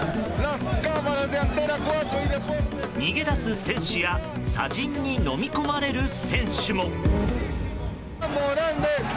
逃げ出す選手や砂じんにのみ込まれる選手も。